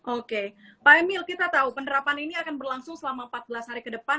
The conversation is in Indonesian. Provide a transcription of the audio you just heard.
oke pak emil kita tahu penerapan ini akan berlangsung selama empat belas hari ke depan